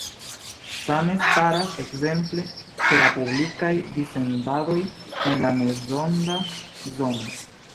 Same statas ekzemple ĉe la publikaj dissendadoj en la mezonda zono.